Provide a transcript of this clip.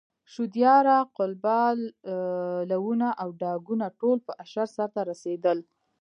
شودیاره، قلبه، لوونه او ډاګونه ټول په اشر سرته رسېدل.